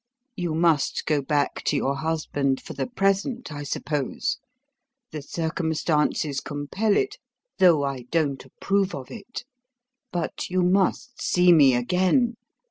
You must go back to your husband for the present, I suppose, the circumstances compel it, though I don't approve of it; but you must see me again...